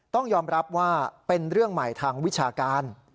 ต้องยอมรับว่าเป็นเรื่องใหม่ทางวิชาการ